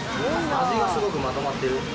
味がすごくまとまってる。